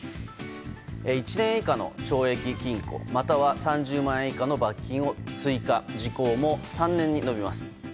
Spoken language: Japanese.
「１年以下の懲役・禁錮または３０万円以下の罰金」を追加時効も３年に伸びました。